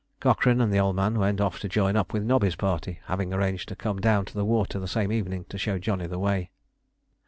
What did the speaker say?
Cochrane and the Old Man went off to join up with Nobby's party, having arranged to come down to the water the same evening to show Johnny the way.